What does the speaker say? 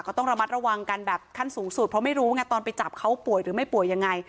ต้องระมัดระวังกันแบบขั้นสูงสุดเพราะไม่รู้ไงตอนไปจับเขาป่วยหรือไม่ป่วยยังไง